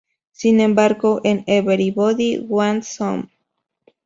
Sin embargo en Everybody Wants Some!!